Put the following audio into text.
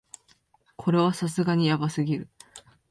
これはさすがにヤバすぎる